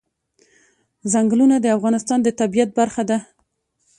ځنګلونه د افغانستان د طبیعت برخه ده.